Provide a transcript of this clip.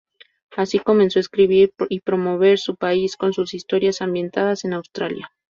Así, comenzó a escribir y promover su país con sus historias ambientadas en Australia.